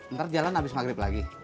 ntar jalan habis maghrib lagi